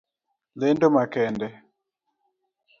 Lendo makende.